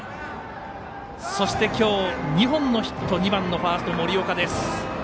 そして今日、２本のヒット２番のファースト、森岡です。